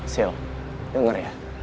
sil denger ya